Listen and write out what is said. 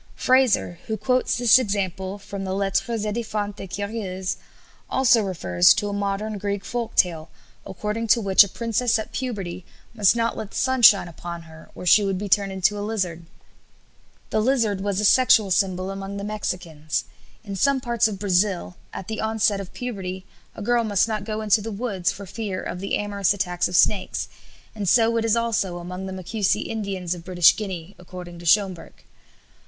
Frazer, who quotes this example from the "Lettres édifiantes et curieuses," also refers to a modern Greek folk tale, according to which a princess at puberty must not let the sun shine upon her, or she would be turned into a lizard. The lizard was a sexual symbol among the Mexicans. In some parts of Brazil at the onset of puberty a girl must not go into the woods for fear of the amorous attacks of snakes, and so it is also among the Macusi Indians of British Guiana, according to Schomburgk.